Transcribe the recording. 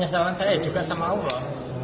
salaman saya juga sama allah